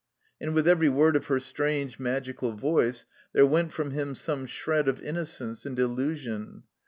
And with every word of her strange, magical voice there went from him some shred of innocence and illusion.